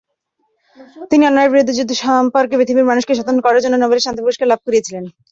তিনি অন্যায়ের বিরুদ্ধে যুদ্ধ সম্পর্কে পৃথিবীর মানুষকে সচেতন করার জন্য নোবেল শান্তি পুরস্কার লাভ করেছিলেন।